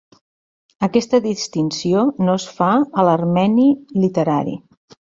Aquesta distinció no es fa a l'armeni literari.